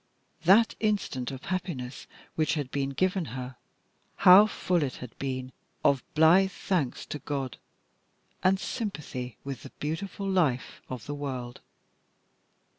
That instant of happiness which had been given her, how full it had been of blithe thanks to God and sympathy with the beautiful life of the world!